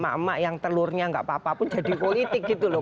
mbak mbak yang telurnya tidak apa apa pun jadi politik gitu loh